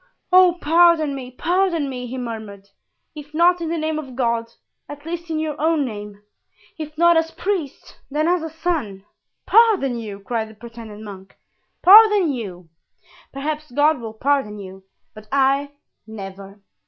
"Oh, pardon me, pardon me!" he murmured; "if not in the name of God, at least in your own name; if not as priest, then as son." "Pardon you!" cried the pretended monk, "pardon you! Perhaps God will pardon you, but I, never!"